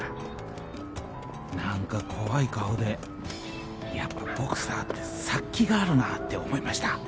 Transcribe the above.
何か怖い顔でやっぱボクサーって殺気があるなって思いました